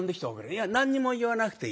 いや何にも言わなくていい。